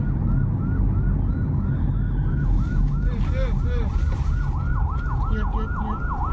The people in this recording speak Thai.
ยืดยืดยืด